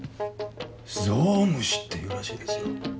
ゾウムシというらしいですよ。